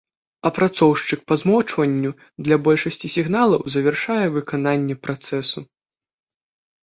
Апрацоўшчык па змоўчванню для большасці сігналаў завяршае выкананне працэсу.